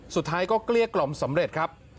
สุดท้ายก็เกลี้ยกล่อมสำเร็จครับ